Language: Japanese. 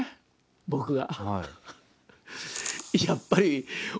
僕が。